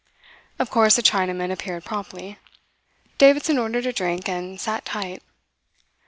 Of course a Chinaman appeared promptly. Davidson ordered a drink and sat tight.